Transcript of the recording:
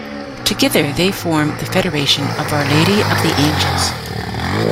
Together they form the Federation of Our Lady of the Angels.